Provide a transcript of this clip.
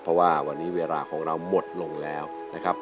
เพราะว่าวันนี้เวลาของเราหมดลงแล้วนะครับ